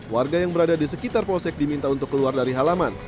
warga yang berada di sekitar polsek diminta untuk keluar dari halaman